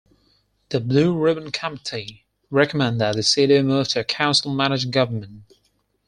The blue ribbon committee recommend that the city move to a council-manager government.